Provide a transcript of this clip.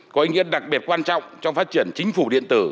có ý nghĩa đặc biệt quan trọng trong phát triển chính phủ điện tử